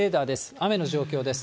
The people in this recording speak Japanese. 雨の状況です。